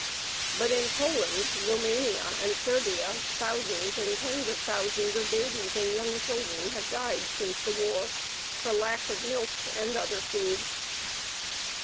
But in Poland, Roumania, and Serbia, thousands and tens of thousands of babies and young children have died since the war for lack of milk and other food.